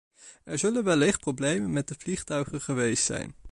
Er zullen wellicht problemen met de vliegtuigen geweest zijn.